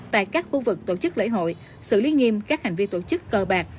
tại các khu vực tổ chức lễ hội xử lý nghiêm các hành vi tổ chức cơ bạc